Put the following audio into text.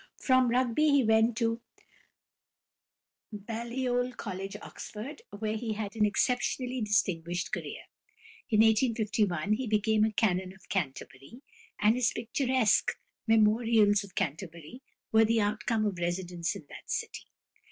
From Rugby he went to Balliol College, Oxford, where he had an exceptionally distinguished career. In 1851 he became a canon of Canterbury, and his picturesque "Memorials of Canterbury" were the outcome of residence in that city.